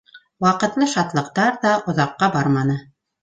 Ваҡытлы шатлыҡтар ҙа оҙаҡҡа барманы.